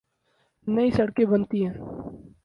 نئی سڑکیں بنتی ہیں۔